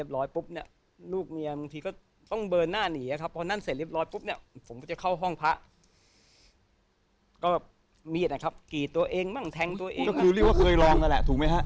ก็คือเรียกว่าเคยลองอะแหละถูกมั้ยฮะ